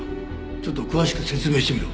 ちょっと詳しく説明してみろ。